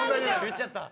言っちゃった。